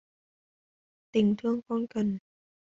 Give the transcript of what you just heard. Tình thương con cần